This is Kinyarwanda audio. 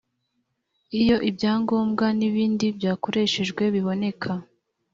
isosiyete y ubucuruzi mu gihe cy iyegeranya